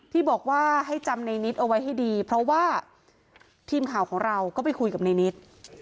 ที่บอกว่าให้จำในนิดเอาไว้ให้ดีเพราะว่าทีมข่าวของเราก็ไปคุยกับในนิด